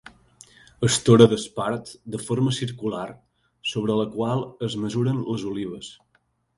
Estora d'espart de forma circular sobre la qual es mesuren les olives.